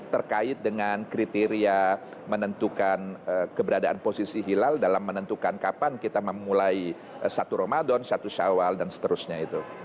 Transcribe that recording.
terkait dengan kriteria menentukan keberadaan posisi hilal dalam menentukan kapan kita memulai satu ramadan satu syawal dan seterusnya itu